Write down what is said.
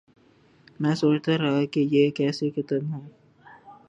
میں سوچتارہا کہ یہ کیسی کتب ہوں۔